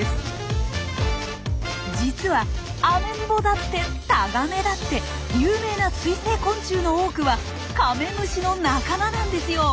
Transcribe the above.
実はアメンボだってタガメだって有名な水生昆虫の多くはカメムシの仲間なんですよ。